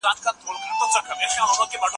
چايي د زهشوم له خوا څښل کيږي.